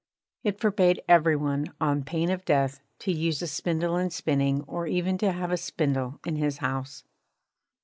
It forbade every one, on pain of death, to use a spindle in spinning or even to have a spindle in his house.